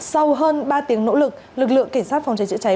sau hơn ba tiếng nỗ lực lực lượng cảnh sát phòng cháy chữa cháy